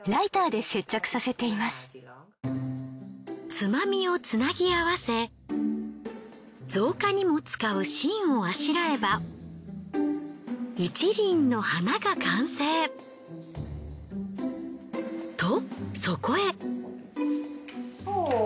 つまみをつなぎ合わせ造花にも使う芯をあしらえば１輪の花が完成。と。